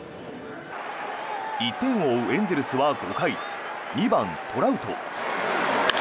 １点を追うエンゼルスは５回２番、トラウト。